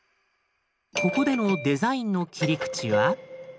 ここでのデザインの切り口は？